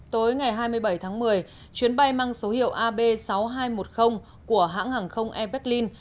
tối ngày hai mươi bảy tháng một mươi chuyến bay mang số hiệu ab sáu nghìn hai trăm một mươi của hãng hàng không airberlin